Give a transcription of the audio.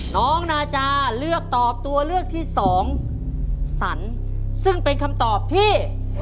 น้องนาจาเลือกตอบตัวเลือกที่สองสรรซึ่งเป็นคำตอบที่